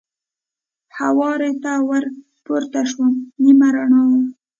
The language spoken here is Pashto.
هوارې ته ور پورته شوم، نیمه رڼا وه.